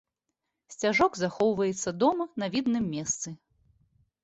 Сцяжок захоўваецца дома на відным месцы.